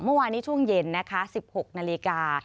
เมื่อวานนี้ช่วงเย็นนะคะ๑๖นาฬิกา